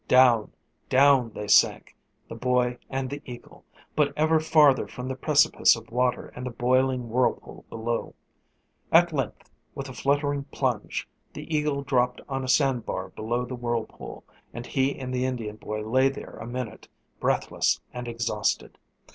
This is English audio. Down, down they sank, the boy and the eagle, but ever farther from the precipice of water and the boiling whirlpool below. At length, with a fluttering plunge, the eagle dropped on a sand bar below the whirlpool, and he and the Indian boy lay there a minute, breathless and exhausted.